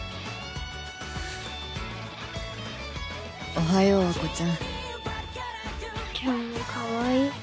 おはよう和子ちゃん。今日もかわいい。